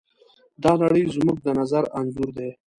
دا نړۍ زموږ د نظر انځور دی.